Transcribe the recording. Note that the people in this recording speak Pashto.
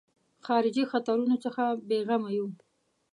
خارجي خطرونو څخه بېغمه وو.